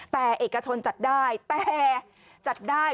แต่เอกชนจัดได้แต่จัดได้